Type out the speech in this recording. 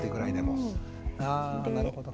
あなるほど。